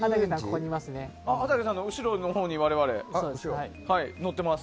はたけさんの後ろのほうに我々乗ってます。